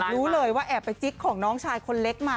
รู้เลยว่าแอบไปจิ๊กของน้องชายคนเล็กมา